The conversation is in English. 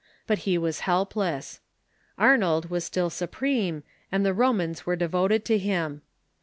But he was helpless. Arnold was still supreme, and the Romans were devoted to him.